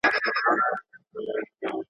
له عالمانو سره ناسته پاسته وکړئ.